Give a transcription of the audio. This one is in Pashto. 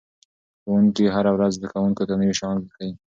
ښوونکي هره ورځ زده کوونکو ته نوي شیان ښيي.